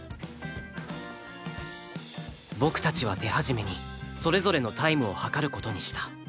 僕たちは手始めにそれぞれのタイムを計る事にした